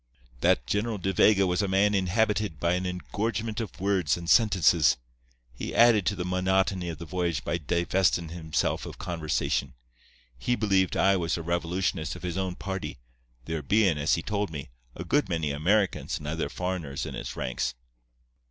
"That General De Vega was a man inhabited by an engorgement of words and sentences. He added to the monotony of the voyage by divestin' himself of conversation. He believed I was a revolutionist of his own party, there bein', as he told me, a good many Americans and other foreigners in its ranks.